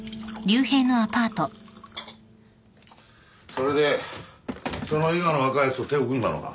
それでその伊賀の若いやつと手を組んだのか？